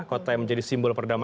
kota yang menjadi simbol perdamai